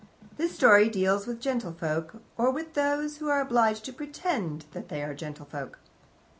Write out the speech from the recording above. This story deals with gentlefolk, or with those who are obliged to pretend that they are gentlefolk.